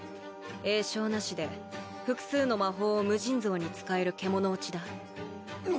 詠唱なしで複数の魔法を無尽蔵に使える獣堕ちだ